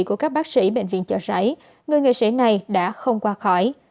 của các bác sĩ bệnh viện chợ rẫy người nghệ sĩ này đã không qua khỏi